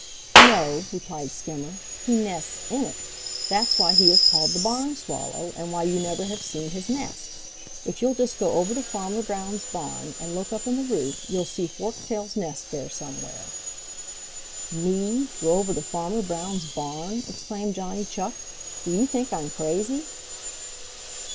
"No," replied Skimmer. "He nests in it. That's why he is called the Barn Swallow, and why you never have seen his nest. If you'll just go over to Farmer Brown's barn and look up in the roof, you'll see Forktail's nest there somewhere." "Me go over to Farmer Brown's barn!" exclaimed Johnny Chuck. "Do you think I'm crazy?"